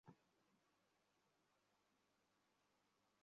কোনোকিছুই আসল না।